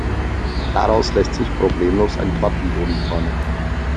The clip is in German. Daraus lässt sich problemlos ein Tortenboden formen.